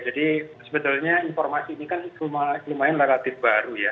jadi sebetulnya informasi ini kan lumayan relatif baru ya